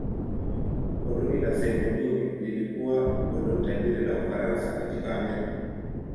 Koloni la Saint-Domingue lilikuwa koloni tajiri la Ufaransa katika Amerika.